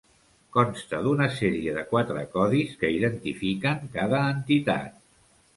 Consta d'una sèrie de quatre codis que identifiquen cada entitat.